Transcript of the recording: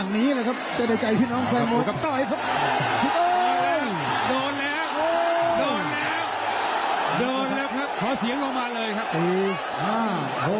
คุณพระราคังช่วยได้เวลา